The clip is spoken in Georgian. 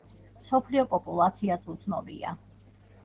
მსოფლიო პოპულაციაც უცნობია.